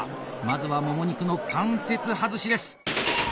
まずはモモ肉の関節外しです。